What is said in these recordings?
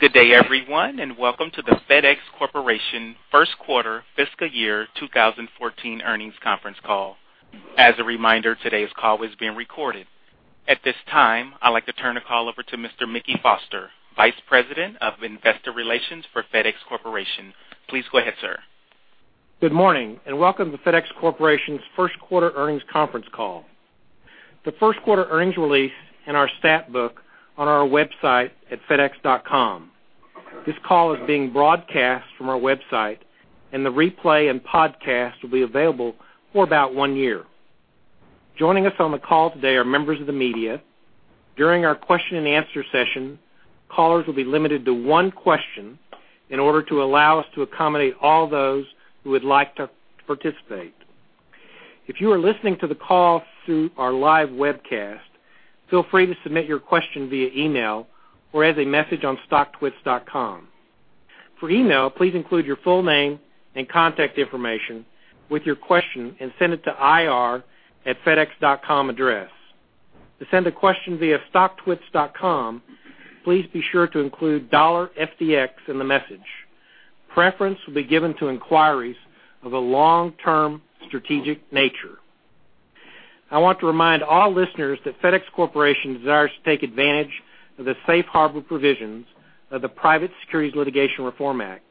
Good day, everyone, and welcome to the FedEx Corporation first quarter fiscal year 2014 earnings conference call. As a reminder, today's call is being recorded. At this time, I'd like to turn the call over to Mr. Mickey Foster, Vice President of Investor Relations for FedEx Corporation. Please go ahead, sir. Good morning, and welcome to FedEx Corporation's first quarter earnings conference call. The first quarter earnings release in our Stat Book on our website at fedex.com. This call is being broadcast from our website, and the replay and podcast will be available for about one year. Joining us on the call today are members of the media. During our question and answer session, callers will be limited to one question in order to allow us to accommodate all those who would like to participate. If you are listening to the call through our live webcast, feel free to submit your question via email or as a message on stocktwits.com. For email, please include your full name and contact information with your question, and send it to ir@fedex.com address. To send a question via stocktwits.com, please be sure to include $FDX in the message. Preference will be given to inquiries of a long-term strategic nature. I want to remind all listeners that FedEx Corporation desires to take advantage of the safe harbor provisions of the Private Securities Litigation Reform Act.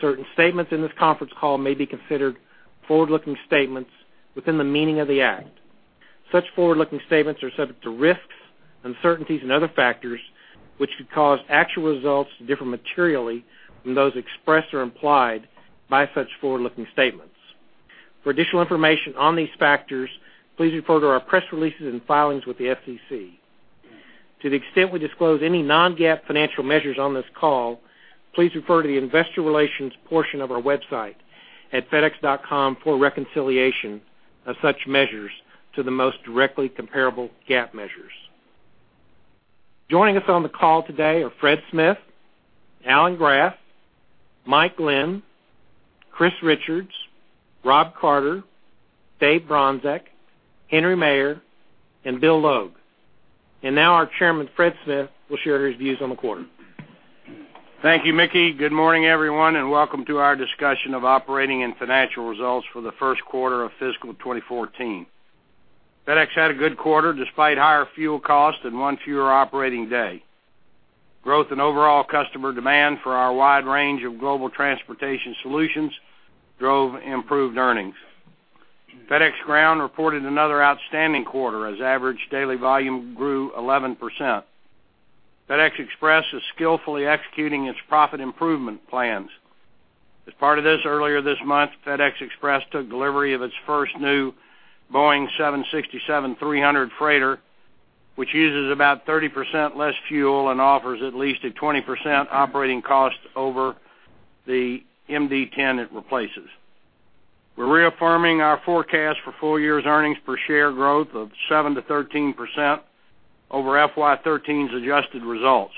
Certain statements in this conference call may be considered forward-looking statements within the meaning of the Act. Such forward-looking statements are subject to risks, uncertainties and other factors, which could cause actual results to differ materially from those expressed or implied by such forward-looking statements. For additional information on these factors, please refer to our press releases and filings with the SEC. To the extent we disclose any non-GAAP financial measures on this call, please refer to the investor relations portion of our website at fedex.com for reconciliation of such measures to the most directly comparable GAAP measures. Joining us on the call today are Fred Smith, Alan Graf, Mike Glenn, Chris Richards, Rob Carter, Dave Bronczek, Henry Maier, and Bill Logue. Now our chairman, Fred Smith, will share his views on the quarter. Thank you, Mickey. Good morning, everyone, and welcome to our discussion of operating and financial results for the first quarter of fiscal 2014. FedEx had a good quarter despite higher fuel costs and one fewer operating day. Growth in overall customer demand for our wide range of global transportation solutions drove improved earnings. FedEx Ground reported another outstanding quarter as average daily volume grew 11%. FedEx Express is skillfully executing its profit improvement plans. As part of this, earlier this month, FedEx Express took delivery of its first new Boeing 767-300 freighter, which uses about 30% less fuel and offers at least a 20% operating cost over the MD-10 it replaces. We're reaffirming our forecast for full-year's earnings per share growth of 7%-13% over FY 2013's adjusted results.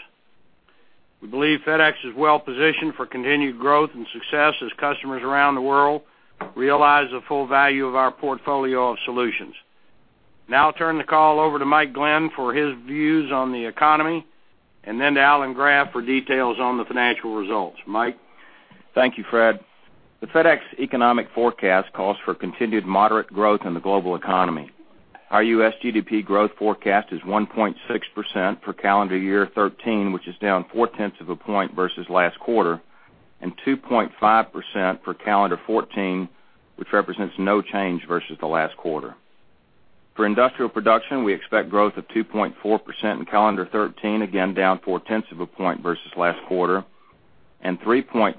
We believe FedEx is well positioned for continued growth and success as customers around the world realize the full value of our portfolio of solutions. Now I'll turn the call over to Mike Glenn for his views on the economy, and then to Alan Graf for details on the financial results. Mike? Thank you, Fred. The FedEx economic forecast calls for continued moderate growth in the global economy. Our U.S. GDP growth forecast is 1.6% for calendar year 2013, which is down 0.4 point versus last quarter, and 2.5% for calendar 2014, which represents no change versus the last quarter. For industrial production, we expect growth of 2.4% in calendar 2013, again, down 0.4 point versus last quarter, and 3.4%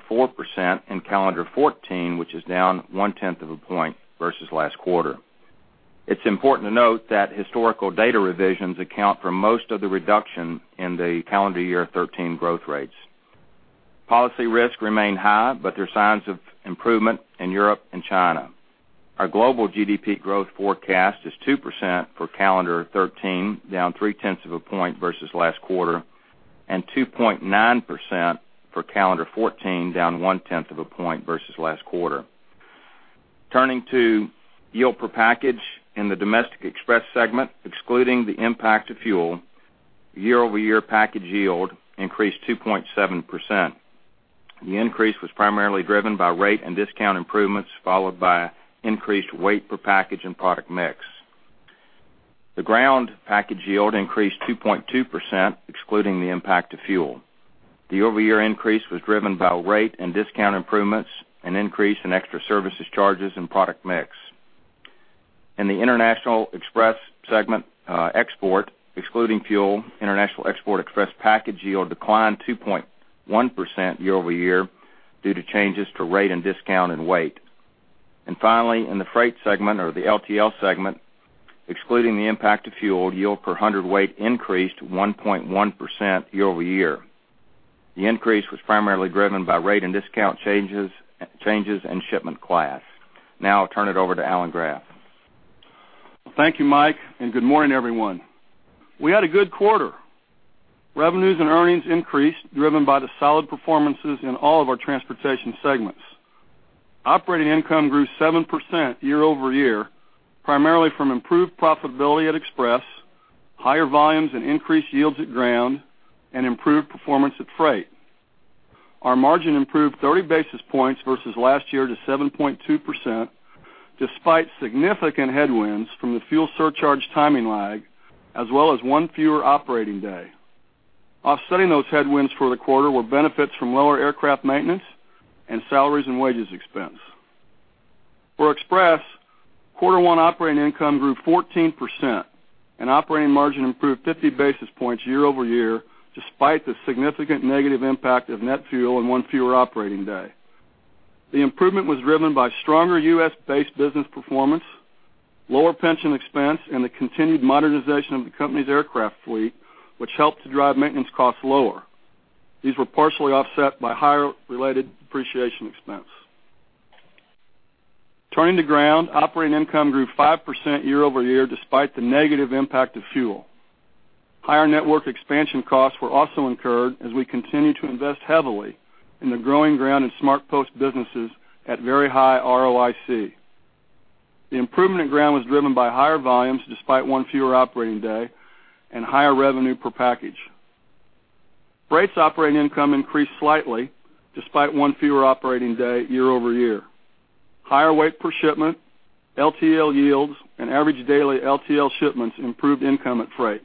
in calendar 2014, which is down 0.1 point versus last quarter. It's important to note that historical data revisions account for most of the reduction in the calendar year 2013 growth rates. Policy risks remain high, but there are signs of improvement in Europe and China. Our global GDP growth forecast is 2% for calendar 2013, down 0.3 of a point versus last quarter, and 2.9% for calendar 2014, down 0.1 of a point versus last quarter. Turning to yield per package in the Domestic Express segment, excluding the impact of fuel, year-over-year package yield increased 2.7%. The increase was primarily driven by rate and discount improvements, followed by increased weight per package and product mix. The Ground package yield increased 2.2%, excluding the impact of fuel. The year-over-year increase was driven by rate and discount improvements and increase in extra services charges and product mix. In the International Express segment, export, excluding fuel, International Export Express package yield declined 2.1% year-over-year due to changes to rate and discount and weight. Finally, in the Freight segment or the LTL segment, excluding the impact of fuel, yield per hundredweight increased 1.1% year-over-year. The increase was primarily driven by rate and discount changes, changes in shipment class. Now I'll turn it over to Alan Graf. Thank you, Mike, and good morning, everyone. We had a good quarter. Revenues and earnings increased, driven by the solid performances in all of our transportation segments. Operating income grew 7% year-over-year, primarily from improved profitability at Express, higher volumes and increased yields at Ground, and improved performance at Freight. Our margin improved 30 basis points versus last year to 7.2%, despite significant headwinds from the fuel surcharge timing lag, as well as one fewer operating day. Offsetting those headwinds for the quarter were benefits from lower aircraft maintenance and salaries and wages expense. For Express, quarter one operating income grew 14%, and operating margin improved 50 basis points year-over-year, despite the significant negative impact of net fuel and one fewer operating day. The improvement was driven by stronger U.S. based business performance, lower pension expense, and the continued modernization of the company's aircraft fleet, which helped to drive maintenance costs lower. These were partially offset by higher related depreciation expense. Turning to Ground, operating income grew 5% year-over-year, despite the negative impact of fuel. Higher network expansion costs were also incurred as we continue to invest heavily in the growing Ground and SmartPost businesses at very high ROIC. The improvement in Ground was driven by higher volumes, despite one fewer operating day and higher revenue per package. Freight's operating income increased slightly, despite one fewer operating day year-over-year. Higher weight per shipment, LTL yields, and average daily LTL shipments improved income at Freight.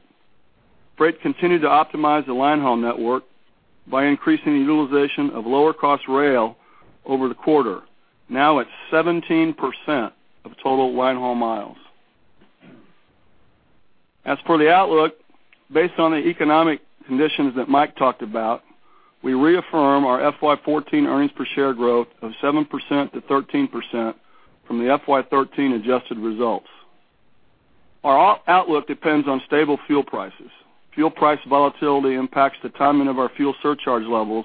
Freight continued to optimize the line haul network by increasing the utilization of lower cost rail over the quarter, now at 17% of total line haul miles. As for the outlook, based on the economic conditions that Mike talked about, we reaffirm our FY 2014 earnings per share growth of 7%-13% from the FY 2013 adjusted results. Our outlook depends on stable fuel prices. Fuel price volatility impacts the timing of our fuel surcharge levels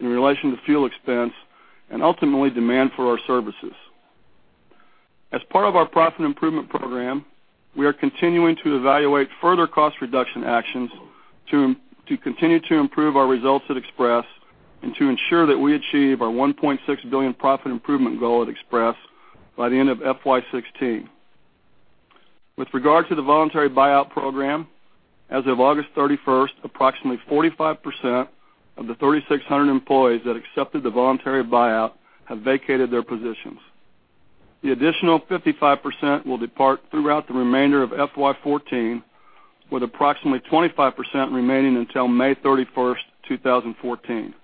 in relation to fuel expense and, ultimately, demand for our services. As part of our profit improvement program, we are continuing to evaluate further cost reduction actions to continue to improve our results at Express and to ensure that we achieve our $1.6 billion profit improvement goal at Express by the end of FY 2016. With regard to the voluntary buyout program, as of August 31st, approximately 45% of the 3,600 employees that accepted the voluntary buyout have vacated their positions. The additional 55% will depart throughout the remainder of FY 2014, with approximately 25% remaining until May 31st, 2014.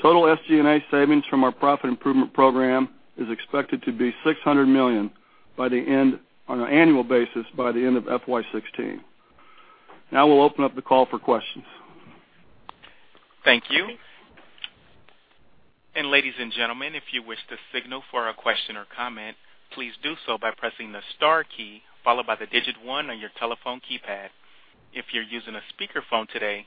Total SG&A savings from our profit improvement program is expected to be $600 million by the end, on an annual basis, by the end of FY 2016. Now we'll open up the call for questions. Thank you. And ladies and gentlemen, if you wish to signal for a question or comment, please do so by pressing the star key followed by the digit one on your telephone keypad. If you're using a speakerphone today,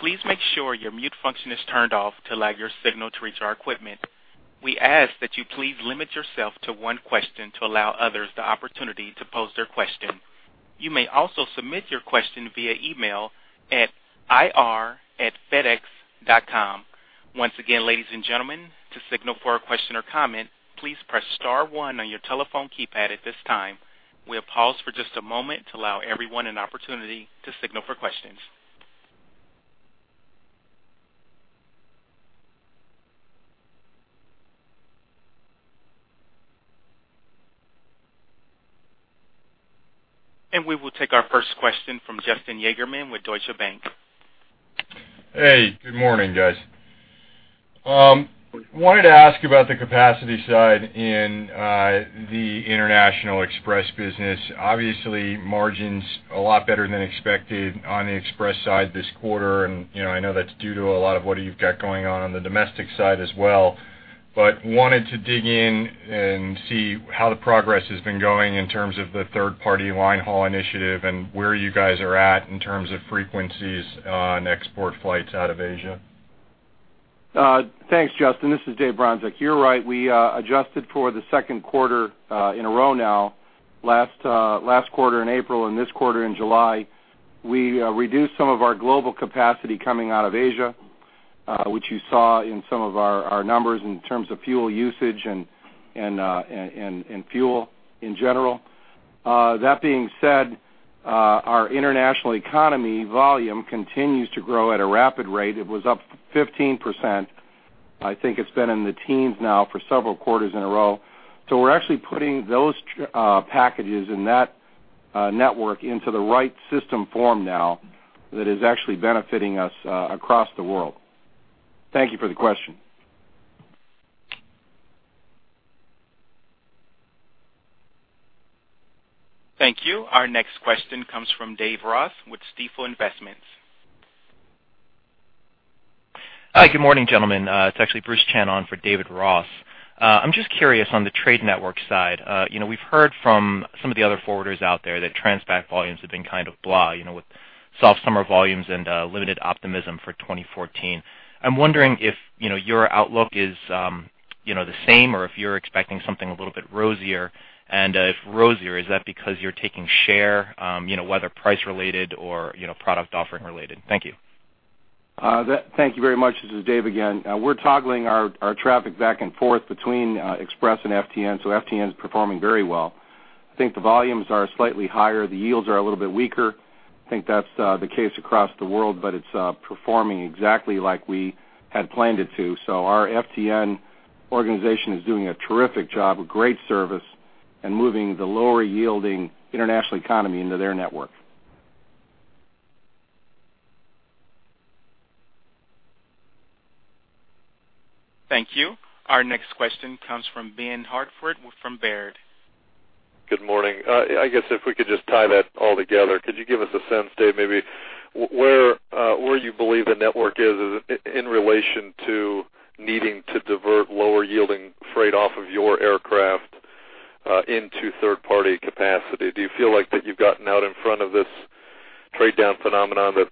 please make sure your mute function is turned off to allow your signal to reach our equipment. We ask that you please limit yourself to one question to allow others the opportunity to pose their question. You may also submit your question via email at ir@fedex.com. Once again, ladies and gentlemen, to signal for a question or comment, please press star one on your telephone keypad at this time. We'll pause for just a moment to allow everyone an opportunity to signal for questions. And we will take our first question from Justin Yagerman with Deutsche Bank. Hey, good morning, guys. Wanted to ask you about the capacity side in the International Express business. Obviously, margins a lot better than expected on the Express side this quarter, and, you know, I know that's due to a lot of what you've got going on on the domestic side as well. But wanted to dig in and see how the progress has been going in terms of the third-party line haul initiative and where you guys are at in terms of frequencies on export flights out of Asia. Thanks, Justin. This is Dave Bronczek. You're right, we adjusted for the second quarter in a row now. Last quarter in April and this quarter in July, we reduced some of our global capacity coming out of Asia, which you saw in some of our numbers in terms of fuel usage and fuel in general. That being said, our International Economy volume continues to grow at a rapid rate. It was up 15%. I think it's been in the teens now for several quarters in a row. So we're actually putting those packages and that network into the right system form now that is actually benefiting us across the world. Thank you for the question. Thank you. Our next question comes from Dave Ross with Stifel Investments. Hi. Good morning, gentlemen. It's actually Bruce Chan on for David Ross. I'm just curious on the trade network side, you know, we've heard from some of the other forwarders out there that TransPac volumes have been kind of blah, you know, with soft summer volumes and limited optimism for 2014. I'm wondering if, you know, your outlook is, you know, the same, or if you're expecting something a little bit rosier. And if rosier, is that because you're taking share, you know, whether price related or, you know, product offering related? Thank you. Thank you very much. This is Dave again. We're toggling our traffic back and forth between Express and FTN, so FTN is performing very well. I think the volumes are slightly higher, the yields are a little bit weaker. I think that's the case across the world, but it's performing exactly like we had planned it to. So our FTN organization is doing a terrific job, a great service, and moving the lower yielding International Economy into their network. Thank you. Our next question comes from Ben Hartford with Baird. Good morning. I guess if we could just tie that all together, could you give us a sense, Dave, maybe where, where you believe the network is in, in relation to needing to divert lower yielding freight off of your aircraft, into third-party capacity? Do you feel like that you've gotten out in front of this trade down phenomenon that's been discussed a lot? Do you still feel like that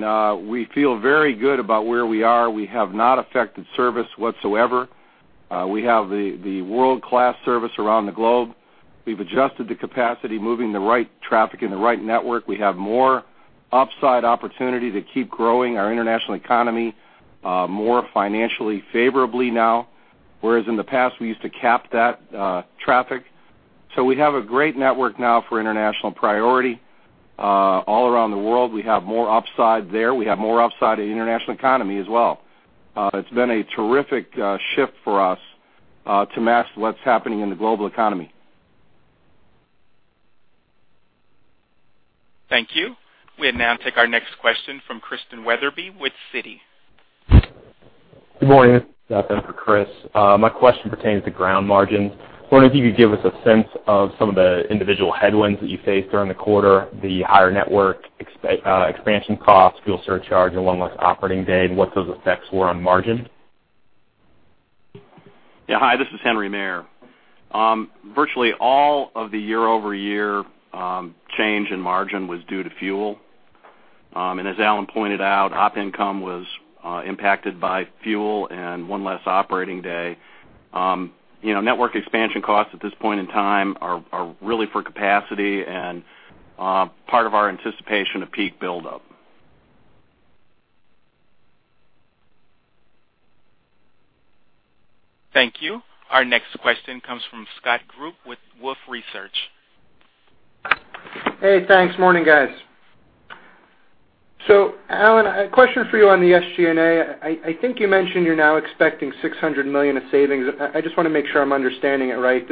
there's incremental progress to be made in terms of putting, the lower yielding packages onto the appropriate modes? Can you provide some perspective there? Yeah, it's a great question. We feel very good about where we are. We have not affected service whatsoever. We have the world-class service around the globe. We've adjusted the capacity, moving the right traffic in the right network. We have more upside opportunity to keep growing our International Economy, more financially favorably now, whereas in the past, we used to cap that traffic. So we have a great network now for International Priority, all around the world. We have more upside there. We have more upside in International Economy as well. It's been a terrific shift for us to match what's happening in the global economy. Thank you. We'll now take our next question from Christian Wetherbee with Citi. Good morning, this is Stephen for Chris. My question pertains to Ground margins. I was wondering if you could give us a sense of some of the individual headwinds that you faced during the quarter, the higher network expansion costs, fuel surcharge, and one less operating day, and what those effects were on margin? Yeah. Hi, this is Henry Maier. Virtually, all of the year-over-year change in margin was due to fuel. As Alan pointed out, op income was impacted by fuel and one less operating day. You know, network expansion costs at this point in time are really for capacity and part of our anticipation of peak buildup. Thank you. Our next question comes from Scott Group with Wolfe Research. Hey, thanks. Morning, guys. So Alan, a question for you on the SG&A. I think you mentioned you're now expecting $600 million of savings. I just want to make sure I'm understanding it right.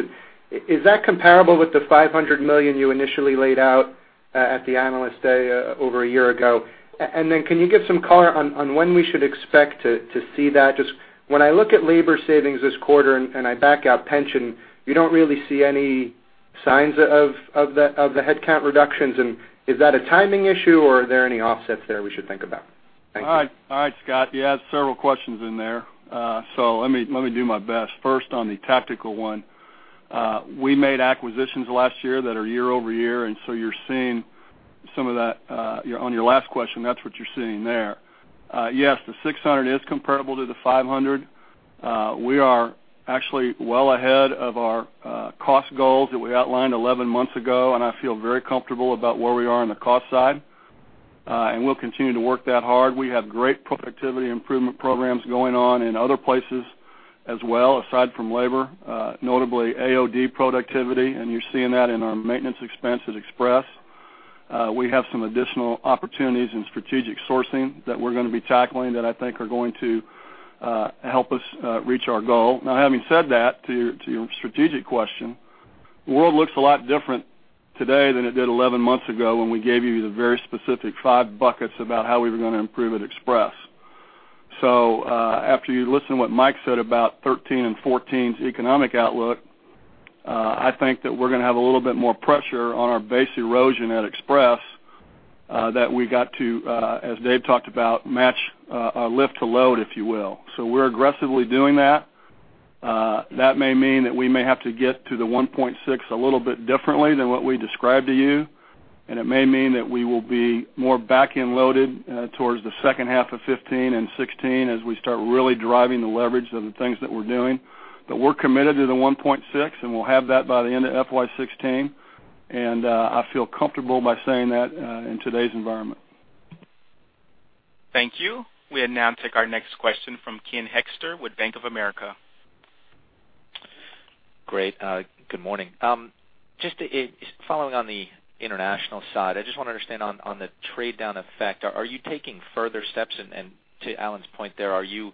Is that comparable with the $500 million you initially laid out at the Analyst Day over a year ago? And then can you give some color on when we should expect to see that? Just when I look at labor savings this quarter and I back out pension, you don't really see any signs of the headcount reductions. And is that a timing issue, or are there any offsets there we should think about? Thank you. All right. All right, Scott, you had several questions in there. So let me, let me do my best. First, on the tactical one, we made acquisitions last year that are year-over-year, and so you're seeing some of that, on your last question, that's what you're seeing there. Yes, the $600 is comparable to the $500. We are actually well ahead of our cost goals that we outlined 11 months ago, and I feel very comfortable about where we are on the cost side, and we'll continue to work that hard. We have great productivity improvement programs going on in other places as well, aside from labor, notably AOD productivity, and you're seeing that in our maintenance expense at Express. We have some additional opportunities in strategic sourcing that we're going to be tackling that I think are going to help us reach our goal. Now, having said that, to your strategic question, the world looks a lot different today than it did 11 months ago when we gave you the very specific five buckets about how we were going to improve at Express. So, after you listen to what Mike said about 2013 and 2014's economic outlook, I think that we're going to have a little bit more pressure on our base erosion at Express that we got to, as Dave talked about, match lift to load, if you will. So we're aggressively doing that. That may mean that we may have to get to the 1.6 a little bit differently than what we described to you, and it may mean that we will be more back-end loaded towards the second half of 2015 and 2016, as we start really driving the leverage of the things that we're doing. But we're committed to the 1.6, and we'll have that by the end of FY 2016, and I feel comfortable by saying that in today's environment. Thank you. We now take our next question from Ken Hoexter with Bank of America. Great. Good morning. Just following on the international side, I just want to understand on the trade down effect, are you taking further steps? And to Alan's point there, are you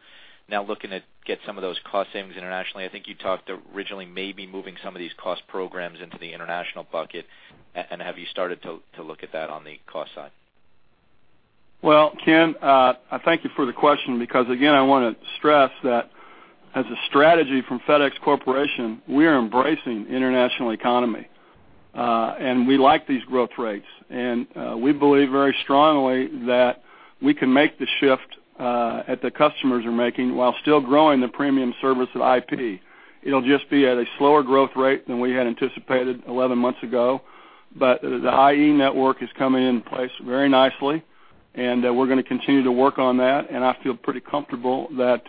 now looking at get some of those cost savings internationally? I think you talked originally maybe moving some of these cost programs into the international bucket. And have you started to look at that on the cost side? Well, Ken, I thank you for the question because, again, I want to stress that as a strategy from FedEx Corporation, we are embracing International Economy, and we like these growth rates. We believe very strongly that we can make the shift that the customers are making while still growing the premium service of IP. It'll just be at a slower growth rate than we had anticipated 11 months ago. But the IE network is coming in place very nicely, and we're going to continue to work on that, and I feel pretty comfortable that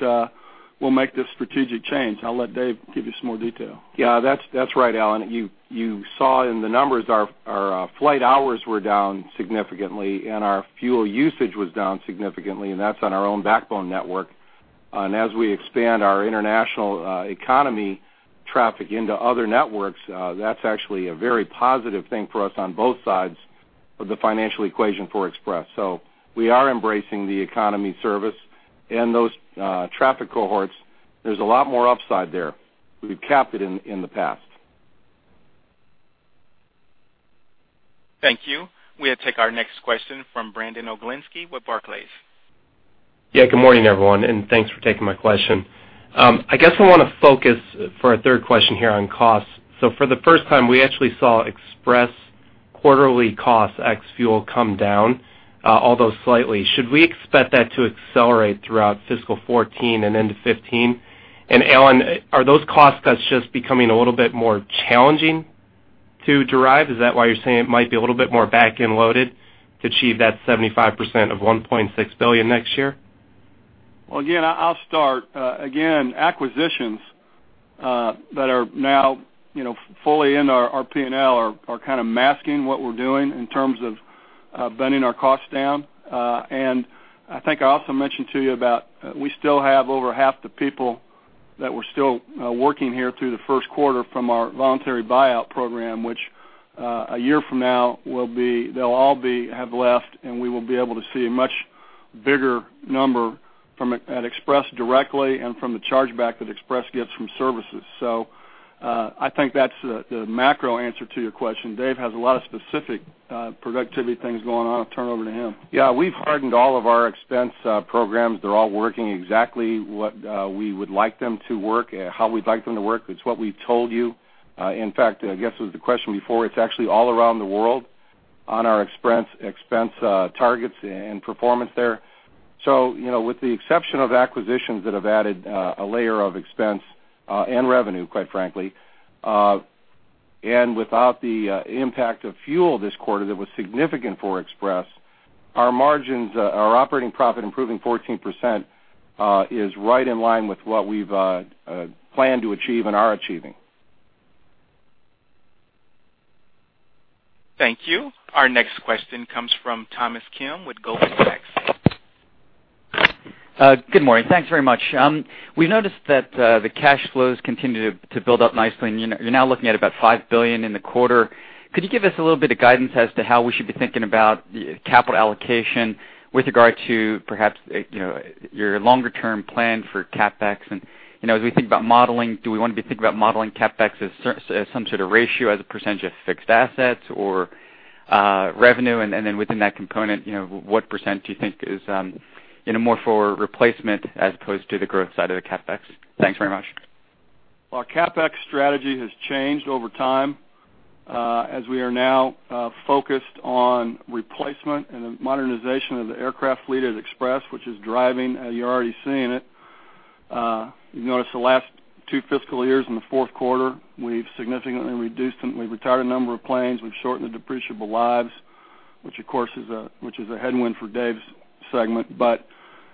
we'll make this strategic change. I'll let Dave give you some more detail. Yeah, that's, that's right, Alan. You, you saw in the numbers, our, our, flight hours were down significantly, and our fuel usage was down significantly, and that's on our own backbone network. And as we expand our international, economy traffic into other networks, that's actually a very positive thing for us on both sides of the financial equation for Express. So we are embracing the economy service and those, traffic cohorts. There's a lot more upside there. We've capped it in, in the past. Thank you. We'll take our next question from Brandon Oglenski with Barclays. Yeah, good morning, everyone, and thanks for taking my question. I guess I want to focus for our third question here on costs. So for the first time, we actually saw Express quarterly costs, ex-fuel, come down, although slightly. Should we expect that to accelerate throughout fiscal 2014 and into 2015? And Alan, are those cost cuts just becoming a little bit more challenging to derive? Is that why you're saying it might be a little bit more back-end loaded to achieve that 75% of $1.6 billion next year? Well, again, I'll start. Again, acquisitions that are now, you know, fully in our P&L are kind of masking what we're doing in terms of bending our costs down. And I think I also mentioned to you about, we still have over half the people that were still working here through the first quarter from our voluntary buyout program, which, a year from now, will be. They'll all have left, and we will be able to see a much bigger number from at Express directly and from the chargeback that Express gets from services. So, I think that's the macro answer to your question. Dave has a lot of specific productivity things going on. I'll turn it over to him. Yeah, we've hardened all of our expense programs. They're all working exactly what we would like them to work, how we'd like them to work. It's what we told you. In fact, I guess it was the question before, it's actually all around the world on our expense targets and performance there. So, you know, with the exception of acquisitions that have added a layer of expense and revenue, quite frankly, and without the impact of fuel this quarter that was significant for Express, our margins, our operating profit improving 14%, is right in line with what we've planned to achieve and are achieving. Thank you. Our next question comes from Thomas Kim with Goldman Sachs. Good morning. Thanks very much. We noticed that the cash flows continue to build up nicely, and you're now looking at about $5 billion in the quarter. Could you give us a little bit of guidance as to how we should be thinking about the capital allocation with regard to perhaps, you know, your longer-term plan for CapEx? And, you know, as we think about modeling, do we want to be thinking about modeling CapEx as some sort of ratio, as a percentage of fixed assets or revenue? And then within that component, you know, what % do you think is more for replacement as opposed to the growth side of the CapEx? Thanks very much. Our CapEx strategy has changed over time, as we are now focused on replacement and modernization of the aircraft fleet at Express, which is driving, you're already seeing it. You notice the last two fiscal years in the fourth quarter, we've significantly reduced and we've retired a number of planes. We've shortened the depreciable lives, which, of course, is a, which is a headwind for Dave's segment.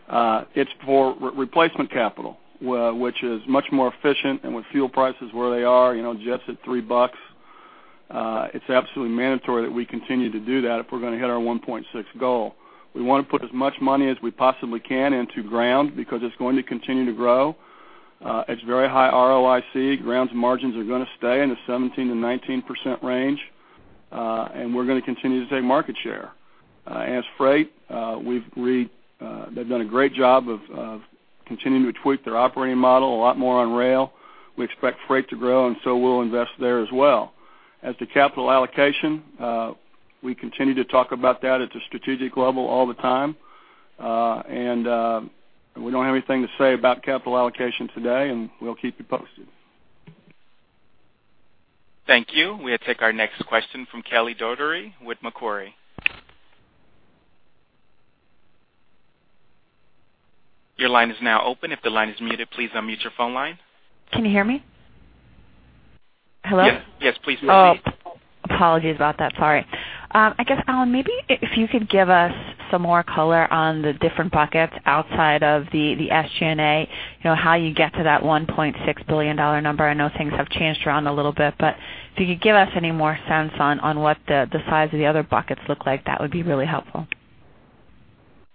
But, it's for replacement capital, which is much more efficient, and with fuel prices where they are, you know, jets at $3, it's absolutely mandatory that we continue to do that if we're going to hit our 1.6 goal. We want to put as much money as we possibly can into Ground because it's going to continue to grow. It's very high ROIC. Ground's margins are going to stay in the 17%-19% range, and we're going to continue to take market share. As Freight, they've done a great job of continuing to tweak their operating model, a lot more on rail. We expect Freight to grow, and so we'll invest there as well. As to capital allocation, we continue to talk about that at a strategic level all the time, and we don't have anything to say about capital allocation today, and we'll keep you posted. Thank you. We'll take our next question from Kelly Dougherty with Macquarie. Your line is now open. If the line is muted, please unmute your phone line. Can you hear me? Hello? Yes, yes, please proceed. Oh, apologies about that. Sorry. I guess, Alan, maybe if you could give us some more color on the different buckets outside of the, the SG&A, you know, how you get to that $1.6 billion number. I know things have changed around a little bit, but if you could give us any more sense on, on what the, the size of the other buckets look like, that would be really helpful.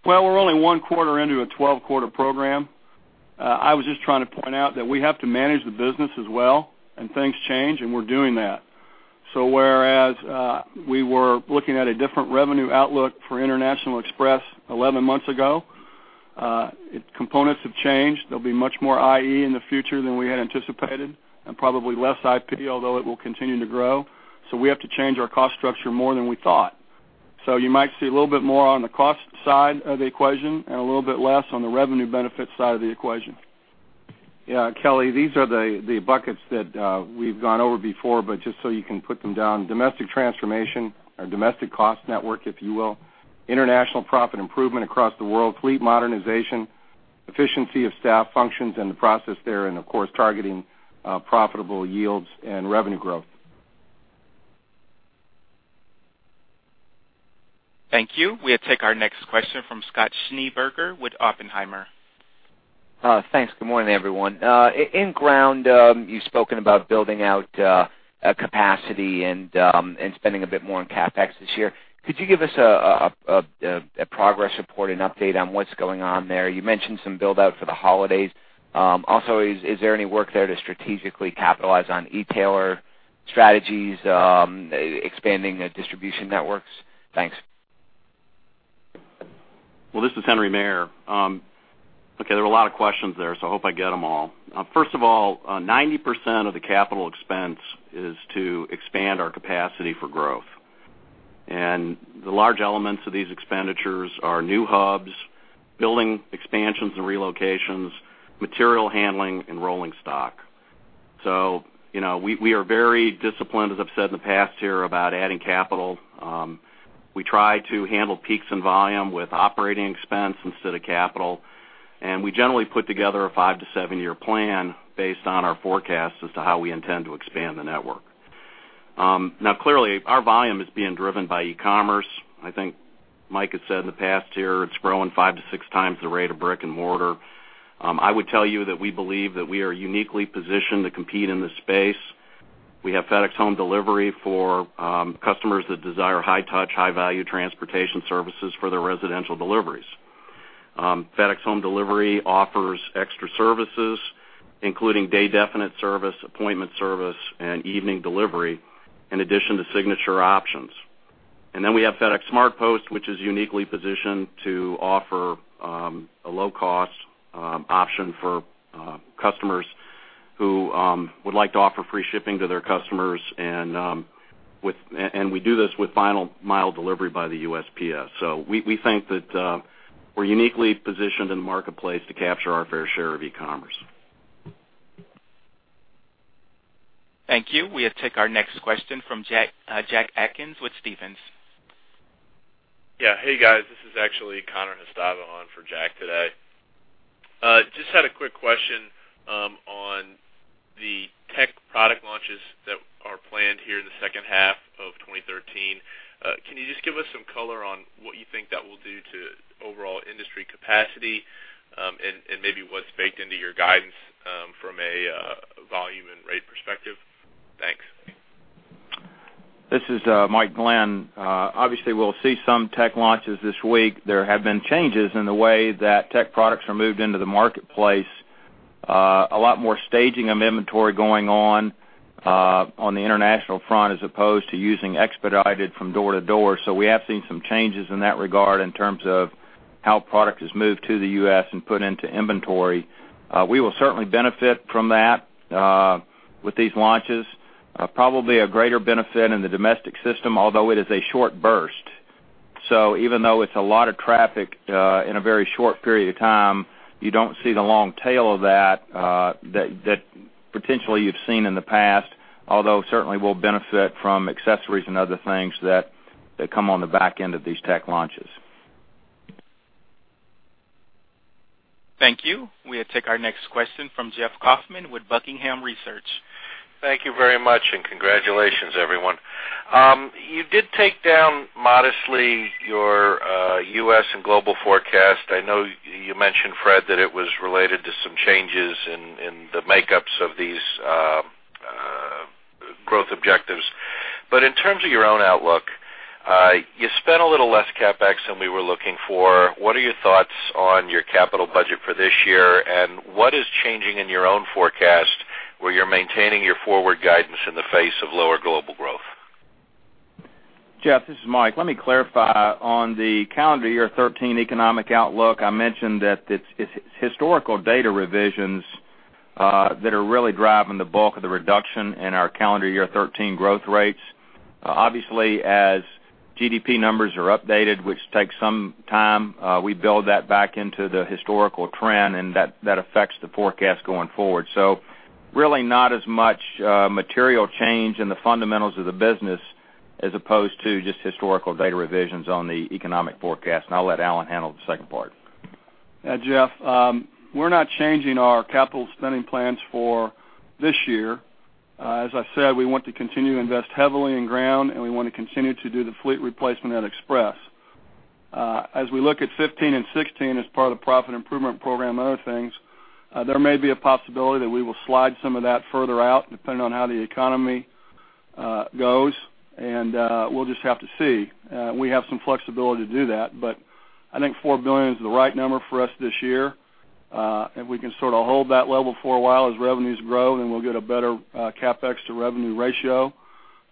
Well, we're only one quarter into a 12-quarter program. I was just trying to point out that we have to manage the business as well, and things change, and we're doing that. So whereas we were looking at a different revenue outlook for International Express 11 months ago, components have changed. There'll be much more IE in the future than we had anticipated, and probably less IP, although it will continue to grow. So we have to change our cost structure more than we thought. So you might see a little bit more on the cost side of the equation and a little bit less on the revenue benefit side of the equation. Yeah, Kelly, these are the buckets that we've gone over before, but just so you can put them down, domestic transformation or domestic cost network, if you will, international profit improvement across the world, fleet modernization, efficiency of staff functions and the process there, and of course, targeting profitable yields and revenue growth. Thank you. We'll take our next question from Scott Schneeberger with Oppenheimer. Thanks. Good morning, everyone. In Ground, you've spoken about building out a capacity and spending a bit more on CapEx this year. Could you give us a progress report and update on what's going on there? You mentioned some build-out for the holidays. Also, is there any work there to strategically capitalize on e-tailer strategies, expanding the distribution networks? Thanks. Well, this is Henry Maier. Okay, there were a lot of questions there, so I hope I get them all. First of all, 90% of the capital expense is to expand our capacity for growth. And the large elements of these expenditures are new hubs, building expansions and relocations, material handling, and rolling stock. So, you know, we are very disciplined, as I've said in the past here, about adding capital. We try to handle peaks and volume with operating expense instead of capital, and we generally put together a five to seven year plan based on our forecast as to how we intend to expand the network. Now, clearly, our volume is being driven by e-commerce. I think Mike has said in the past year, it's growing five to six times the rate of brick and mortar. I would tell you that we believe that we are uniquely positioned to compete in this space. We have FedEx Home Delivery for customers that desire high touch, high value transportation services for their residential deliveries. FedEx Home Delivery offers extra services, including day definite service, appointment service, and evening delivery, in addition to signature options. And then we have FedEx SmartPost, which is uniquely positioned to offer a low cost option for customers who would like to offer free shipping to their customers, and we do this with final mile delivery by the USPS. So we think that we're uniquely positioned in the marketplace to capture our fair share of e-commerce. Thank you. We'll take our next question from Jack, Jack Atkins, with Stephens. Yeah. Hey, guys, this is actually Connor Hustava on for Jack today. Just had a quick question on the tech product launches that are planned here in the second half of 2013. Can you just give us some color on what you think that will do to overall industry capacity, and maybe what's baked into your guidance from a volume and rate perspective? Thanks. This is Mike Glenn. Obviously, we'll see some tech launches this week. There have been changes in the way that tech products are moved into the marketplace. A lot more staging of inventory going on, on the international front, as opposed to using expedited from door to door. So we have seen some changes in that regard in terms of how product is moved to the U.S. and put into inventory. We will certainly benefit from that, with these launches. Probably a greater benefit in the domestic system, although it is a short burst. So even though it's a lot of traffic in a very short period of time, you don't see the long tail of that potentially you've seen in the past, although certainly we'll benefit from accessories and other things that come on the back end of these tech launches. Thank you. We'll take our next question from Geoff Kaufman with Buckingham Research. Thank you very much, and congratulations, everyone. You did take down modestly your U.S. and global forecast. I know you mentioned, Fred, that it was related to some changes in the makeups of these growth objectives. But in terms of your own outlook, you spent a little less CapEx than we were looking for. What are your thoughts on your capital budget for this year, and what is changing in your own forecast, where you're maintaining your forward guidance in the face of lower global growth? Geoff, this is Mike. Let me clarify. On the calendar year 2013 economic outlook, I mentioned that it's, it's historical data revisions that are really driving the bulk of the reduction in our calendar year 2013 growth rates. Obviously, as GDP numbers are updated, which takes some time, we build that back into the historical trend, and that, that affects the forecast going forward. So really not as much material change in the fundamentals of the business, as opposed to just historical data revisions on the economic forecast, and I'll let Alan handle the second part. Geoff, we're not changing our capital spending plans for this year. As I said, we want to continue to invest heavily in Ground, and we want to continue to do the fleet replacement at Express. As we look at 2015 and 2016, as part of the profit improvement program and other things, there may be a possibility that we will slide some of that further out, depending on how the economy goes, and we'll just have to see. We have some flexibility to do that, but I think $4 billion is the right number for us this year. If we can sort of hold that level for a while as revenues grow, then we'll get a better CapEx to revenue ratio.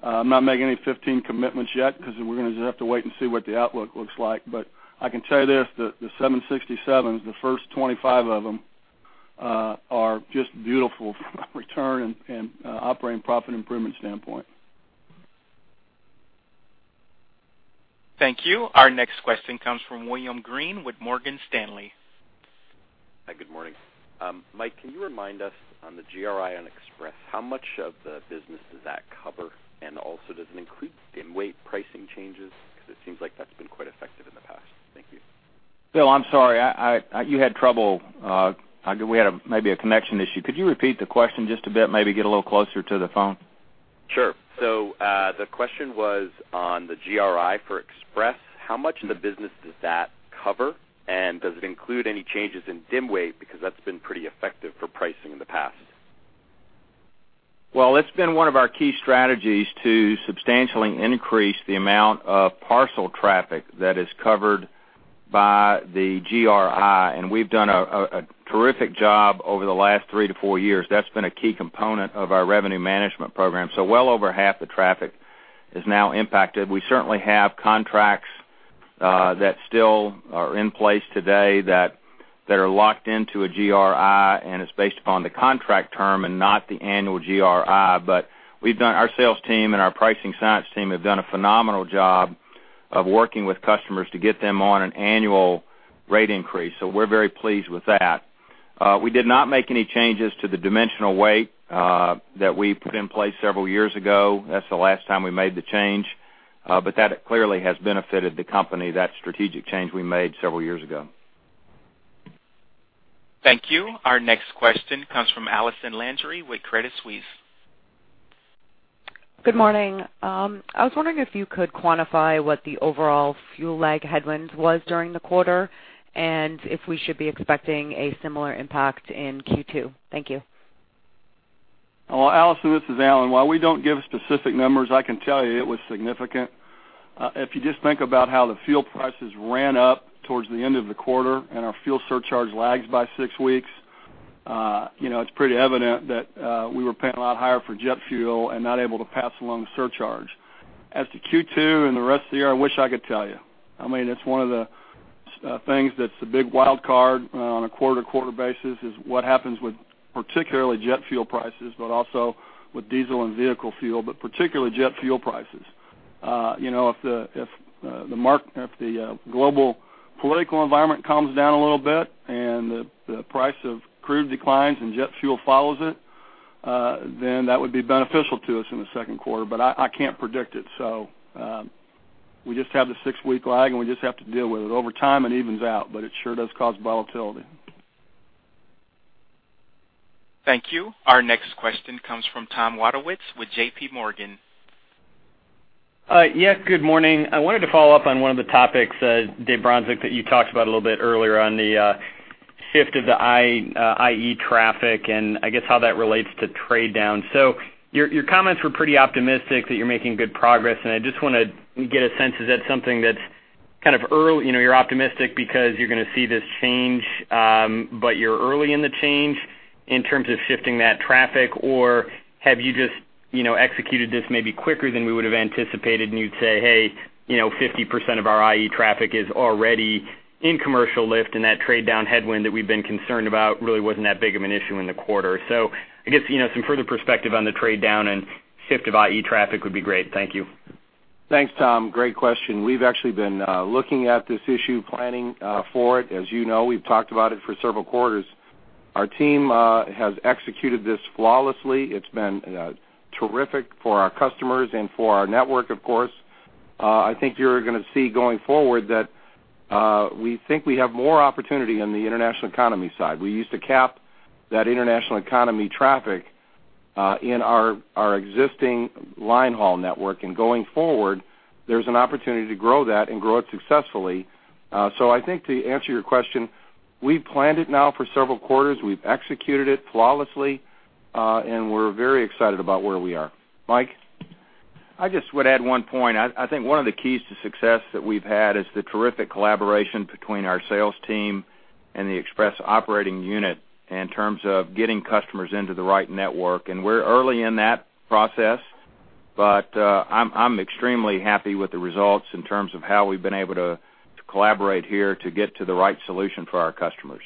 I'm not making any 15 commitments yet because we're gonna just have to wait and see what the outlook looks like. But I can tell you this, the 767s, the first 25 of them, are just beautiful from a return and operating profit improvement standpoint. Thank you. Our next question comes from William Green with Morgan Stanley. Hi, good morning. Mike, can you remind us on the GRI on Express, how much of the business does that cover? And also, does it include dim weight pricing changes? Because it seems like that's been quite effective. Will, I'm sorry, you had trouble, we had maybe a connection issue. Could you repeat the question just a bit, maybe get a little closer to the phone? Sure. So, the question was on the GRI for Express. How much of the business does that cover? And does it include any changes in dim weight, because that's been pretty effective for pricing in the past? Well, it's been one of our key strategies to substantially increase the amount of parcel traffic that is covered by the GRI, and we've done a terrific job over the last three to four years. That's been a key component of our revenue management program. So well over half the traffic is now impacted. We certainly have contracts that still are in place today that are locked into a GRI, and it's based upon the contract term and not the annual GRI. But we've done our sales team and our pricing science team have done a phenomenal job of working with customers to get them on an annual rate increase. So we're very pleased with that. We did not make any changes to the dimensional weight that we put in place several years ago. That's the last time we made the change, but that clearly has benefited the company, that strategic change we made several years ago. Thank you. Our next question comes from Allison Landry with Credit Suisse. Good morning. I was wondering if you could quantify what the overall fuel lag headwind was during the quarter, and if we should be expecting a similar impact in Q2. Thank you. Well, Allison, this is Alan. While we don't give specific numbers, I can tell you it was significant. If you just think about how the fuel prices ran up towards the end of the quarter and our fuel surcharge lags by six weeks, you know, it's pretty evident that we were paying a lot higher for jet fuel and not able to pass along the surcharge. As to Q2 and the rest of the year, I wish I could tell you. I mean, it's one of the things that's a big wild card on a quarter-to-quarter basis, is what happens with particularly jet fuel prices, but also with diesel and vehicle fuel, but particularly jet fuel prices. You know, if the global political environment calms down a little bit and the price of crude declines and jet fuel follows it, then that would be beneficial to us in the second quarter, but I can't predict it. So, we just have the six-week lag, and we just have to deal with it. Over time, it evens out, but it sure does cause volatility. Thank you. Our next question comes from Tom Wadowitz with J.P. Morgan. Yes, good morning. I wanted to follow up on one of the topics, Dave Bronczek, that you talked about a little bit earlier on the shift of the IE traffic and I guess, how that relates to trade down. So your, your comments were pretty optimistic that you're making good progress, and I just wanna get a sense of, is that something that's kind of early—you know, you're optimistic because you're gonna see this change, but you're early in the change in terms of shifting that traffic? Or have you just, you know, executed this maybe quicker than we would have anticipated, and you'd say, "Hey, you know, 50% of our IE traffic is already in commercial lift, and that trade down headwind that we've been concerned about really wasn't that big of an issue in the quarter." So I guess, you know, some further perspective on the trade down and shift of IE traffic would be great. Thank you. Thanks, Tom. Great question. We've actually been looking at this issue, planning for it. As you know, we've talked about it for several quarters. Our team has executed this flawlessly. It's been terrific for our customers and for our network, of course. I think you're gonna see going forward that we think we have more opportunity on the International Economy side. We used to cap that International Economy traffic in our existing line haul network. And going forward, there's an opportunity to grow that and grow it successfully. So I think to answer your question, we've planned it now for several quarters. We've executed it flawlessly, and we're very excited about where we are. Mike? I just would add one point. I think one of the keys to success that we've had is the terrific collaboration between our sales team and the Express operating unit in terms of getting customers into the right network. And we're early in that process, but I'm extremely happy with the results in terms of how we've been able to collaborate here to get to the right solution for our customers.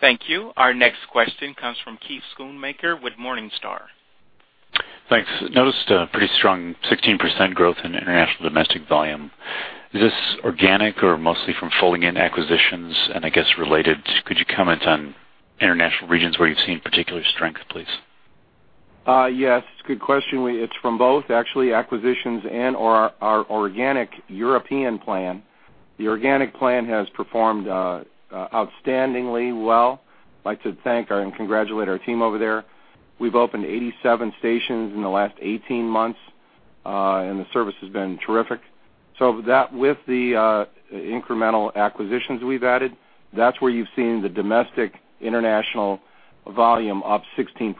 Thank you. Our next question comes from Keith Schoonmaker with Morningstar. Thanks. Noticed a pretty strong 16% growth in international domestic volume. Is this organic or mostly from folding in acquisitions? And I guess, related, could you comment on international regions where you've seen particular strength, please? Yes, good question. We, it's from both, actually, acquisitions and our, our organic European plan. The organic plan has performed, outstandingly well. I'd like to thank and congratulate our team over there. We've opened 87 stations in the last 18 months, and the service has been terrific. So that, with the, incremental acquisitions we've added, that's where you've seen the domestic international volume up 16%.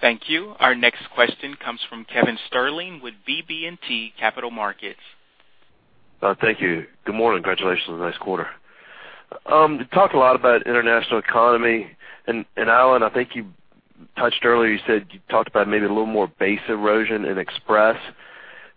Thank you. Our next question comes from Kevin Sterling with BB&T Capital Markets. Thank you. Good morning. Congratulations on the nice quarter. You talked a lot about International Economy, and, and Alan, I think you touched earlier, you said, you talked about maybe a little more base erosion in Express.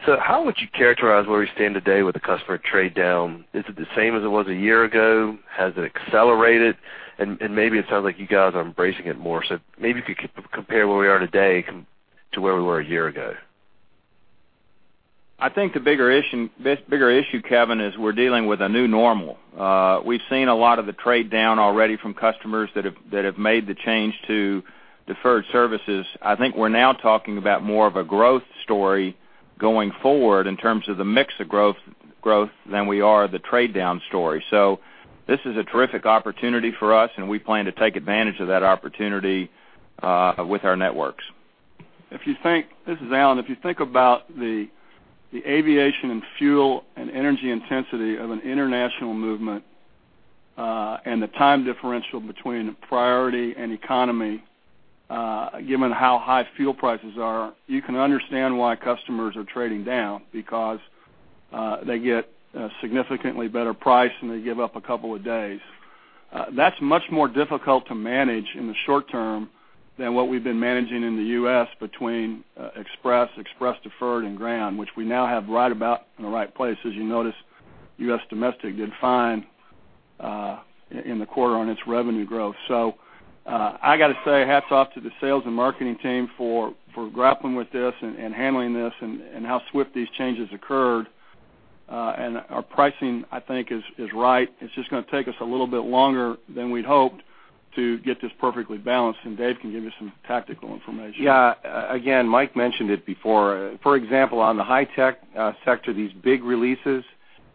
So how would you characterize where we stand today with the customer trade down? Is it the same as it was a year ago? Has it accelerated? And, and maybe it sounds like you guys are embracing it more. So maybe if you could compare where we are today compared to where we were a year ago. I think the bigger issue, this bigger issue, Kevin, is we're dealing with a new normal. We've seen a lot of the trade down already from customers that have, that have made the change to deferred services. I think we're now talking about more of a growth story going forward in terms of the mix of growth, growth than we are the trade down story. So this is a terrific opportunity for us, and we plan to take advantage of that opportunity, with our networks. This is Alan. If you think about the aviation and fuel and energy intensity of an international movement, and the time differential between priority and economy, given how high fuel prices are, you can understand why customers are trading down because they get a significantly better price, and they give up a couple of days. That's much more difficult to manage in the short term than what we've been managing in the U.S. between Express, Express Deferred, and Ground, which we now have right about in the right place. As you notice, U.S. Domestic did fine in the quarter on its revenue growth. So, I got to say, hats off to the sales and marketing team for grappling with this and handling this and how swift these changes occurred. And our pricing, I think, is right. It's just gonna take us a little bit longer than we'd hoped to get this perfectly balanced, and Dave can give you some tactical information. Yeah, again, Mike mentioned it before. For example, on the high tech sector, these big releases,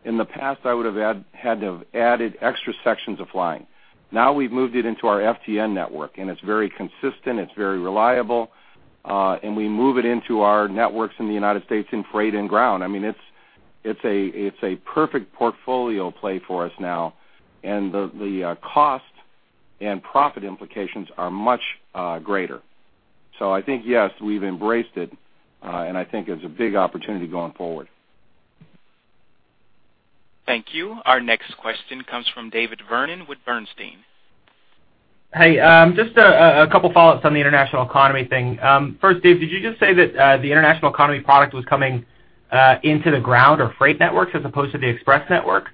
in the past, I would have had to have added extra sections of flying. Now, we've moved it into our FTN network, and it's very consistent, it's very reliable, and we move it into our networks in the United States, in Freight and Ground. I mean, it's a perfect portfolio play for us now, and the cost and profit implications are much greater. So I think, yes, we've embraced it, and I think it's a big opportunity going forward. Thank you. Our next question comes from David Vernon with Bernstein. Hey, just a couple follow-ups on the International Economy thing. First, Dave, did you just say that the International Economy product was coming into the Ground or Freight networks as opposed to the Express network?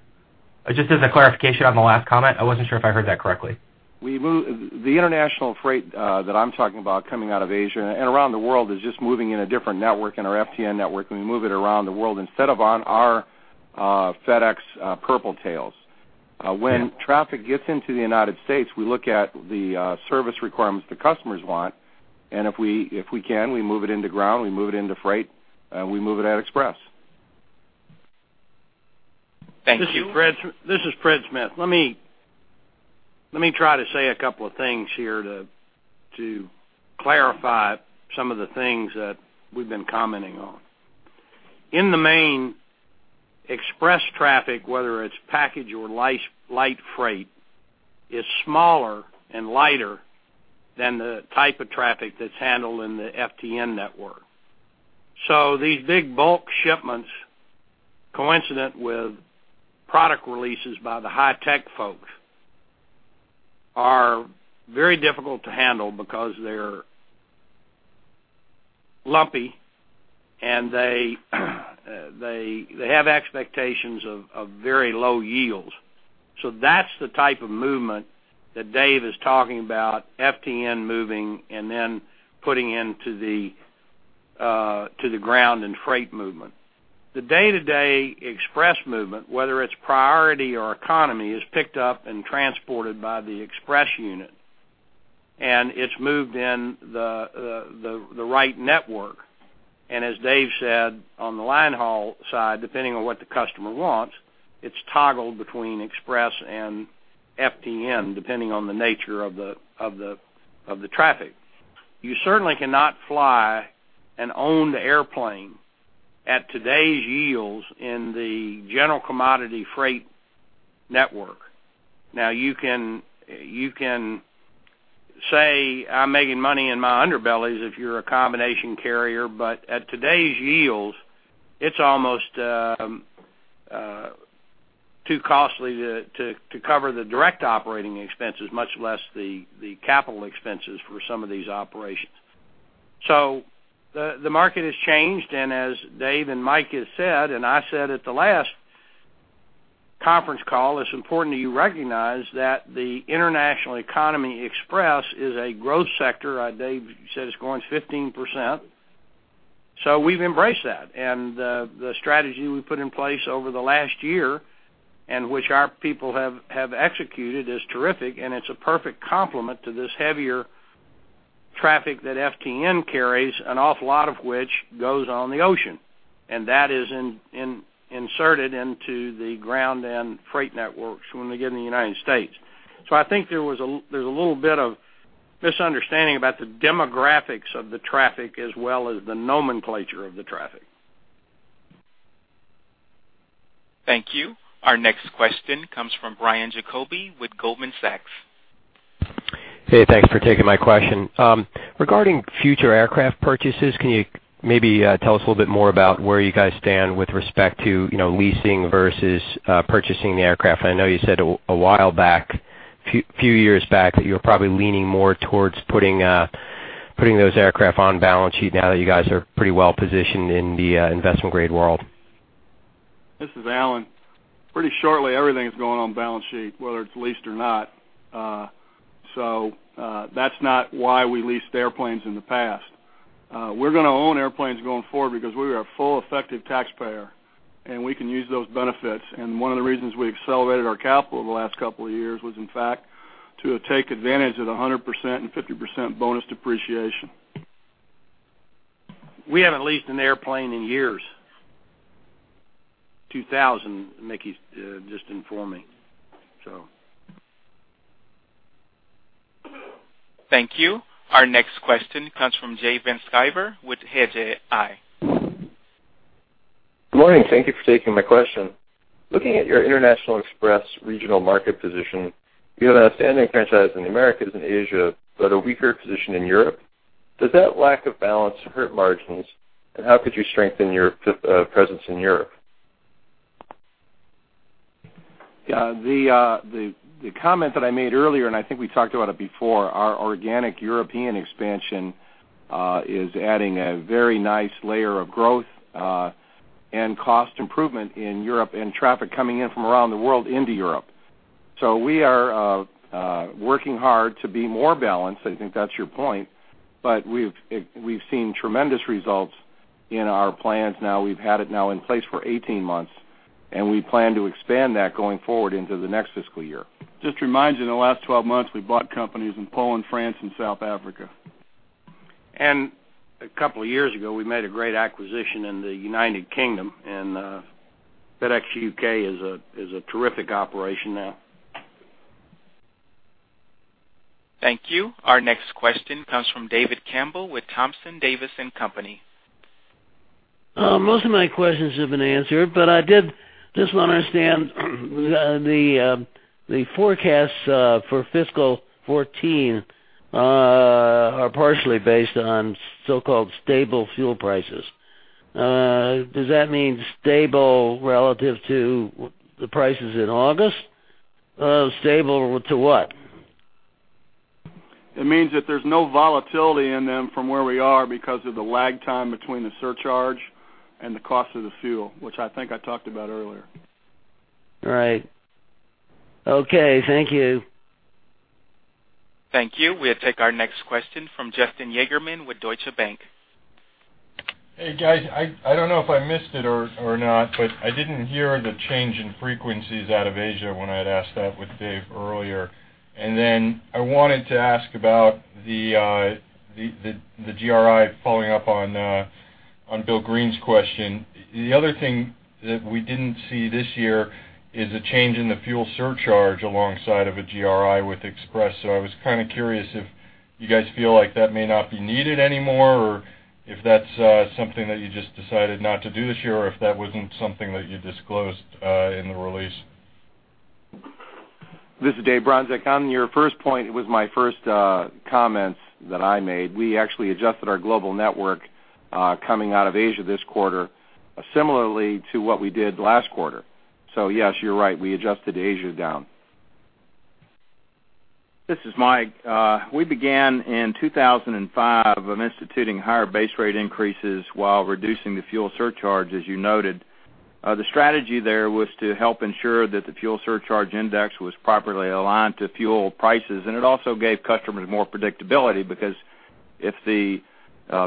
Just as a clarification on the last comment, I wasn't sure if I heard that correctly. We move the international Freight that I'm talking about coming out of Asia and around the world is just moving in a different network, in our FTN network, and we move it around the world instead of on our FedEx purple tails. When traffic gets into the United States, we look at the service requirements the customers want, and if we, if we can, we move it into Ground, we move it into Freight, we move it at Express. Thank you. This is Fred, this is Fred Smith. Let me, let me try to say a couple of things here to, to clarify some of the things that we've been commenting on. In the main, Express traffic, whether it's package or light freight, is smaller and lighter than the type of traffic that's handled in the FTN network. So these big bulk shipments, coincident with product releases by the high tech folks, are very difficult to handle because they're lumpy, and they, they have expectations of, of very low yields. So that's the type of movement that Dave is talking about, FTN moving and then putting into the, to the Ground and Freight movement. The day-to-day Express movement, whether it's priority or economy, is picked up and transported by the Express unit, and it's moved in the right network. And as Dave said, on the line haul side, depending on what the customer wants, it's toggled between Express and FTN, depending on the nature of the traffic. You certainly cannot fly and own the airplane at today's yields in the general commodity Freight network. Now, you can, you can say, "I'm making money in my underbellies," if you're a combination carrier, but at today's yields, it's almost too costly to cover the direct operating expenses, much less the capital expenses for some of these operations. So the market has changed, and as Dave and Mike have said, and I said at the last conference call, it's important that you recognize that the International Economy Express is a growth sector. Dave said it's growing 15%, so we've embraced that. The strategy we put in place over the last year, and which our people have executed, is terrific, and it's a perfect complement to this heavier traffic that FTN carries, an awful lot of which goes on the ocean. And that is inserted into the Ground and Freight networks when they get in the United States. So I think there's a little bit of misunderstanding about the demographics of the traffic as well as the nomenclature of the traffic. Thank you. Our next question comes from Brian Jacoby with Goldman Sachs. Hey, thanks for taking my question. Regarding future aircraft purchases, can you maybe tell us a little bit more about where you guys stand with respect to, you know, leasing versus purchasing the aircraft? I know you said a while back, few years back, that you were probably leaning more towards putting those aircraft on balance sheet now that you guys are pretty well positioned in the investment-grade world. This is Alan. Pretty shortly, everything is going on balance sheet, whether it's leased or not. So, that's not why we leased airplanes in the past. We're going to own airplanes going forward because we are a full effective taxpayer, and we can use those benefits. One of the reasons we accelerated our capital in the last couple of years was, in fact, to take advantage of the 100% and 50% bonus depreciation. We haven't leased an airplane in years. 2000, Mickey's just informed me, so. Thank you. Our next question comes from Jay Van Sciver with Hedgeye. Good morning. Thank you for taking my question. Looking at your International Express regional market position, you have a standing franchise in the Americas and Asia, but a weaker position in Europe. Does that lack of balance hurt margins, and how could you strengthen your presence in Europe? Yeah, the comment that I made earlier, and I think we talked about it before, our organic European expansion is adding a very nice layer of growth and cost improvement in Europe and traffic coming in from around the world into Europe. So we are working hard to be more balanced. I think that's your point, but we've seen tremendous results in our plans now. We've had it now in place for 18 months, and we plan to expand that going forward into the next fiscal year. Just to remind you, in the last 12 months, we bought companies in Poland, France, and South Africa. A couple of years ago, we made a great acquisition in the United Kingdom, and FedEx U.K. is a terrific operation now. Thank you. Our next question comes from David Campbell with Thompson Davis & Company. Most of my questions have been answered, but I did just want to understand the forecasts for fiscal 2014 are partially based on so-called stable fuel prices. Does that mean stable relative to the prices in August? Stable to what? It means that there's no volatility in them from where we are because of the lag time between the surcharge and the cost of the fuel, which I think I talked about earlier. Right. Okay, thank you. Thank you. We'll take our next question from Justin Yagerman with Deutsche Bank. Hey, guys. I don't know if I missed it or not, but I didn't hear the change in frequencies out of Asia when I had asked that with Dave earlier. And then I wanted to ask about the GRI, following up on Will Green's question. The other thing that we didn't see this year is a change in the fuel surcharge alongside of a GRI with Express. So I was kind of curious if you guys feel like that may not be needed anymore, or if that's something that you just decided not to do this year, or if that wasn't something that you disclosed in the release. This is Dave Bronczek. On your first point, it was my first comments that I made. We actually adjusted our global network, coming out of Asia this quarter, similarly to what we did last quarter. So yes, you're right, we adjusted Asia down. This is Mike. We began in 2005 on instituting higher base rate increases while reducing the fuel surcharge, as you noted. The strategy there was to help ensure that the fuel surcharge index was properly aligned to fuel prices, and it also gave customers more predictability because if the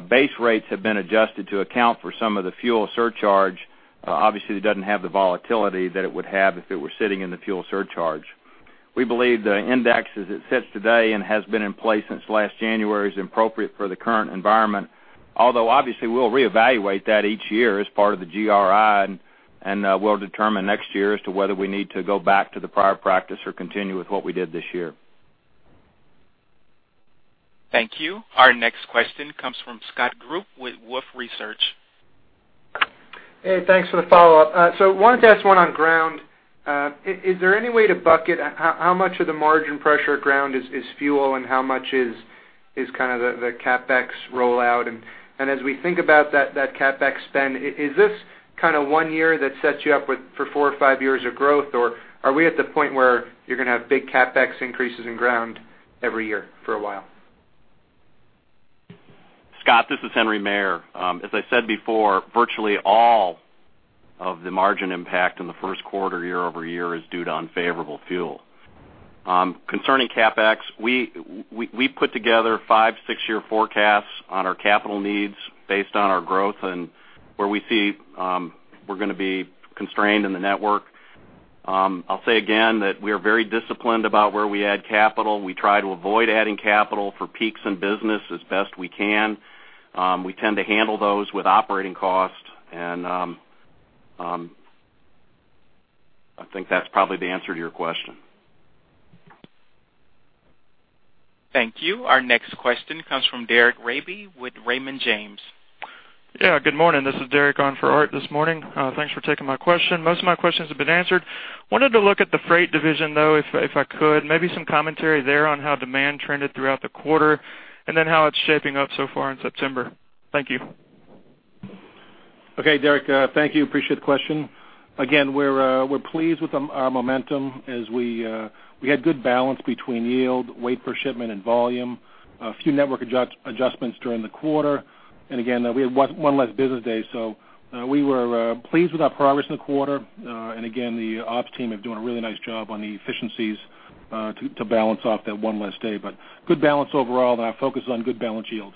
base rates had been adjusted to account for some of the fuel surcharge, obviously, it doesn't have the volatility that it would have if it were sitting in the fuel surcharge. We believe the index, as it sits today and has been in place since last January, is appropriate for the current environment, although obviously, we'll reevaluate that each year as part of the GRI, and we'll determine next year as to whether we need to go back to the prior practice or continue with what we did this year. Thank you. Our next question comes from Scott Group with Wolfe Research. Hey, thanks for the follow-up. So wanted to ask one on Ground. Is there any way to bucket how much of the margin pressure at Ground is fuel, and how much is kind of the CapEx rollout? And as we think about that CapEx spend, is this kind of one year that sets you up with for four or five years of growth? Or are we at the point where you're going to have big CapEx increases in Ground every year for a while? Scott, this is Henry Maier. As I said before, virtually all of the margin impact in the first quarter, year-over-year, is due to unfavorable fuel. Concerning CapEx, we put together five to six year forecasts on our capital needs based on our growth and where we see, we're going to be constrained in the network. I'll say again that we are very disciplined about where we add capital. We try to avoid adding capital for peaks in business as best we can. We tend to handle those with operating costs, and, I think that's probably the answer to your question. Thank you. Our next question comes from Derek Raby with Raymond James. Yeah, good morning. This is Derek on for Art this morning. Thanks for taking my question. Most of my questions have been answered. Wanted to look at the Freight division, though, if I could. Maybe some commentary there on how demand trended throughout the quarter and then how it's shaping up so far in September. Thank you. Okay, Derek, thank you. Appreciate the question. Again, we're pleased with our momentum as we had good balance between yield, weight per shipment, and volume. A few network adjustments during the quarter. And again, we had one less business day. So, we were pleased with our progress in the quarter. And again, the ops team is doing a really nice job on the efficiencies to balance off that one less day. But good balance overall, and our focus is on good balance yield.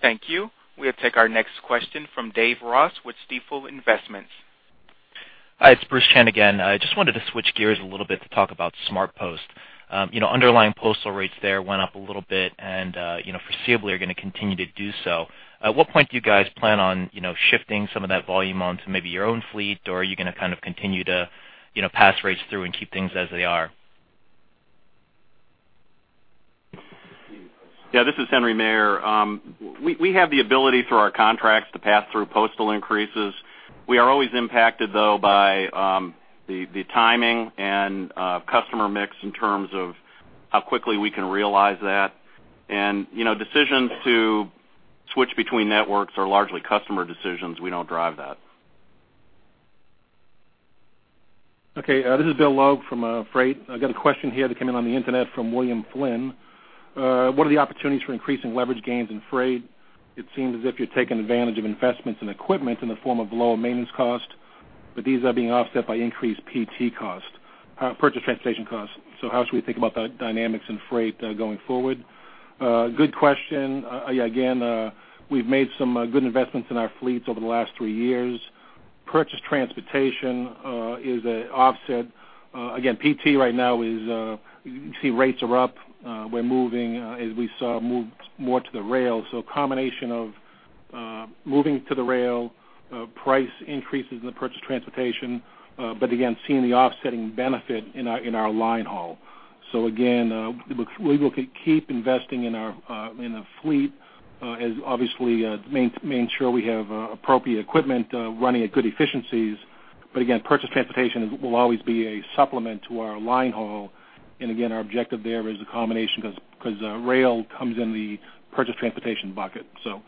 Thank you. We'll take our next question from Dave Ross with Stifel Investments. Hi, it's Bruce Chan again. I just wanted to switch gears a little bit to talk about SmartPost. You know, underlying postal rates there went up a little bit and, you know, foreseeably are gonna continue to do so. At what point do you guys plan on, you know, shifting some of that volume onto maybe your own fleet? Or are you gonna kind of continue to, you know, pass rates through and keep things as they are? Yeah, this is Henry Maier. We have the ability through our contracts to pass through postal increases. We are always impacted, though, by the timing and customer mix in terms of how quickly we can realize that. You know, decisions to switch between networks are largely customer decisions. We don't drive that. Okay. This is Bill Logue from, Freight. I've got a question here that came in on the internet from William Flynn. What are the opportunities for increasing leverage gains in Freight? It seems as if you're taking advantage of investments in equipment in the form of lower maintenance costs, but these are being offset by increased PT costs, Purchased Transportation costs. So how should we think about the dynamics in Freight, going forward? Good question. Again, we've made some, good investments in our fleets over the last three years. Purchased Transportation, is an offset. Again, PT right now is, you can see rates are up. We're moving, as we saw, moved more to the rail. So a combination of moving to the rail, price increases in the Purchased Transportation, but again, seeing the offsetting benefit in our line haul. So again, we will keep investing in our fleet, as obviously making sure we have appropriate equipment running at good efficiencies. But again, Purchased Transportation will always be a supplement to our line haul. And again, our objective there is a combination, because rail comes in the Purchased Transportation bucket. So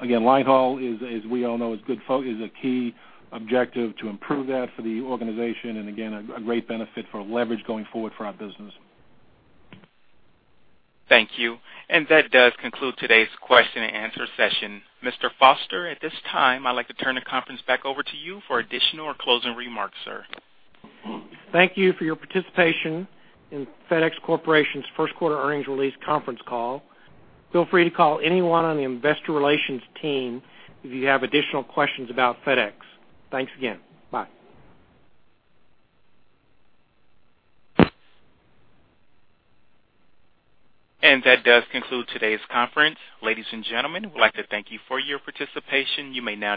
again, line haul is, as we all know, a key objective to improve that for the organization, and again, a great benefit for leverage going forward for our business. Thank you. That does conclude today's question-and-answer session. Mr. Foster, at this time, I'd like to turn the conference back over to you for additional or closing remarks, sir. Thank you for your participation in FedEx Corporation's first quarter earnings release conference call. Feel free to call anyone on the investor relations team if you have additional questions about FedEx. Thanks again. Bye. That does conclude today's conference. Ladies and gentlemen, we'd like to thank you for your participation. You may now disconnect.